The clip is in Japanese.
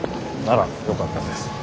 ならよかったです。